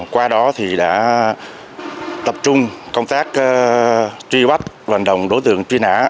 qua đó thì đã tập trung công tác truy bắt hoàn động đối tượng truy nã